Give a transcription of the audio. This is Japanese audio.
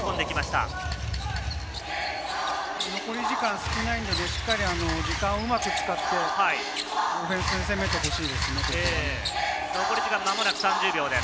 残り時間少ないので、時間をうまく使いながら、オフェンスで攻めてほしいです。